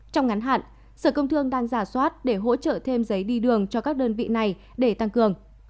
trong ngắn hạn sở công thương đang giả soát để hỗ trợ thêm giấy đi đường cho các đơn vị này để tăng cường